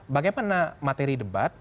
bagaimana materi debat